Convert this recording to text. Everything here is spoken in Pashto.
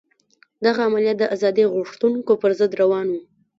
دغه عملیات د ازادي غوښتونکو پر ضد روان وو.